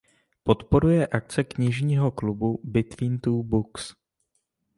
Podporuje akce knižního klubu "Between Two Books".